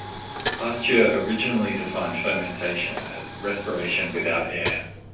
Pasteur originally defined fermentation as "respiration without air".